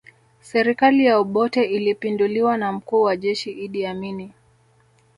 Serikali ya Obote ilipinduliwa na mkuu wa jeshi Idi Amini